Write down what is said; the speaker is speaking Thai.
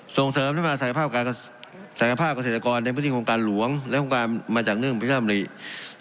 ส่งเสริมให้มาศักดิ์ภาพกษัตริยากรในพฤติโครงการหลวงและโครงการมาจากเนื่องประชาติบริษัทมนิตย์